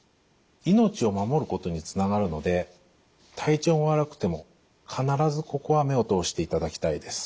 命を守ることにつながるので体調が悪くても必ずここは目を通していただきたいです。